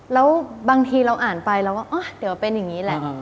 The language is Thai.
แล้วบางทีเราอ่านไปเราก็เดี๋ยวเป็นอย่างนี้แหละ